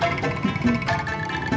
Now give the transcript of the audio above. pak kasihan pak